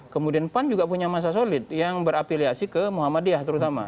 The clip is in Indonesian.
kemudian pan juga punya masa solid yang berafiliasi ke muhammadiyah terutama